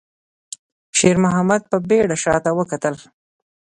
شېرمحمد په بيړه شاته وکتل.